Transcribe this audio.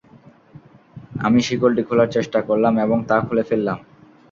আমি শিকলটি খোলার চেষ্টা করলাম এবং তা খুলে ফেললাম।